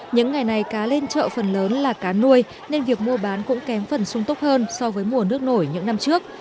những ngày này cá lên chợ phần lớn là cá nuôi nên việc mua bán cũng kém phần sung tốc hơn so với mùa nước nổi những năm trước